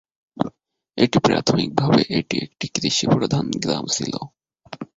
এটি প্রাথমিকভাবে এটি একটি কৃষিপ্রধান গ্রাম ছিল।